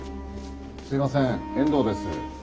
・すいません遠藤です。